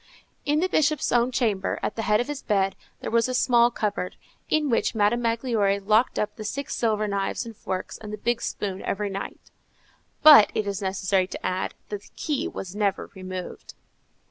In the Bishop's own chamber, at the head of his bed, there was a small cupboard, in which Madame Magloire locked up the six silver knives and forks and the big spoon every night. But it is necessary to add, that the key was never removed.